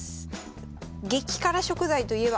激辛食材といえば。